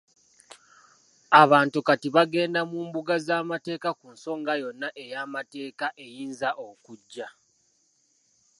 Abantu kati bagenda mu mbuga z'amateeka ku nsonga yonna ey'amateeka eyinza okujja.